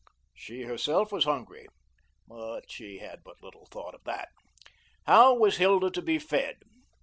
She herself was hungry, but she had but little thought of that. How was Hilda to be fed?